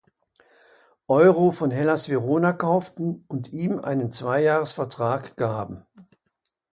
Euro von Hellas Verona kauften und ihm einen Zweijahresvertrag gaben.